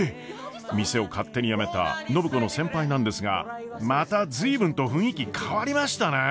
店を勝手に辞めた暢子の先輩なんですがまた随分と雰囲気変わりましたね。